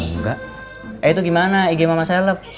enggak eh itu gimana ig mama seleb